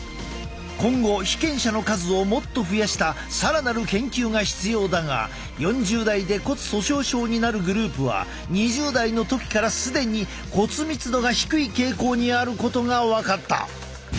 今後被験者の数をもっと増やした更なる研究が必要だが４０代で骨粗しょう症になるグループは２０代の時から既に骨密度が低い傾向にあることが分かった。